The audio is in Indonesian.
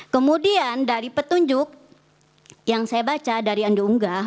kemudian dari petunjuk yang saya baca dari yang diunggah